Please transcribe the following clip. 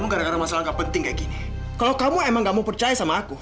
kita sarapan dulu ya